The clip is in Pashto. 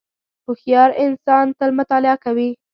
• هوښیار انسان تل مطالعه کوي.